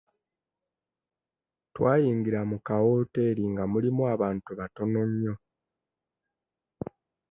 Twayingira mu kawooteeri nga mulimu abantu batono nnyo.